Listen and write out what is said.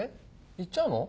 行っちゃうの？